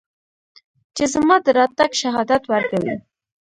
چې زما د راتګ شهادت ورکوي